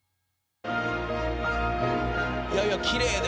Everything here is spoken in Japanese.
いやいやきれいで。